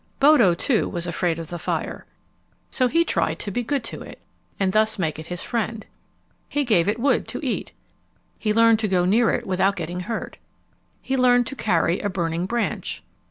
Bodo, too, was afraid of the fire. So he tried to be good to it and thus make it his friend. He gave it wood to eat. He learned to go near it without getting hurt. He learned to carry a burning branch.